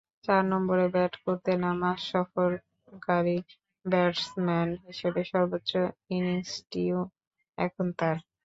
চার নম্বরে ব্যাট করতে নামা সফরকারী ব্যাটসম্যান হিসেবে সর্বোচ্চ ইনিংসটিও এখন তাঁর।